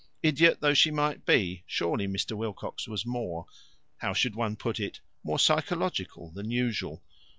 Idiot though she might be, surely Mr. Wilcox was more how should one put it? more psychological than usual.